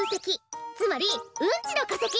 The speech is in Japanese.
つまりうんちのかせき！